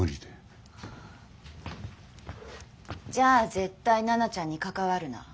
じゃあ絶対奈々ちゃんに関わるな。